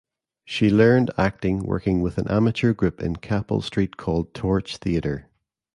She learned acting working with an amateur group in Capel Street called Torch Theatre.